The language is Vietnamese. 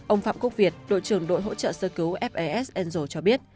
ông phạm quốc việt đội trưởng đội hỗ trợ sơ cứu fas angel cho biết